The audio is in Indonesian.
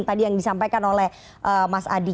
tadi yang disampaikan oleh mas adi